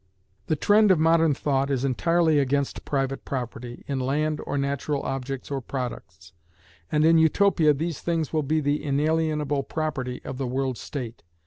The trend of modern thought is entirely against private property in land or natural objects or products, and in Utopia these things will be the inalienable property of the World State.